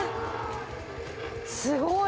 すごい。